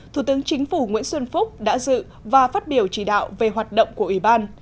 thủ tướng chính phủ nguyễn xuân phúc đã dự và phát biểu chỉ đạo về hoạt động của ủy ban